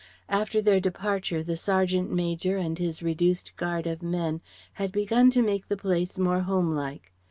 After their departure the sergeant major and his reduced guard of men had begun to make the place more homelike.